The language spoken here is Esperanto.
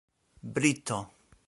brito